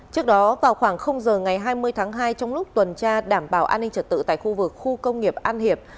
trước đó vào khoảng giờ ngày hai mươi tháng hai trong lúc tuần tra đảm bảo an ninh trật tự tại khu vực khu công nghiệp an hiệp